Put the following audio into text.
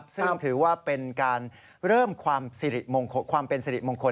ซึ่งถือว่าเป็นการเริ่มความเป็นสิริมงคล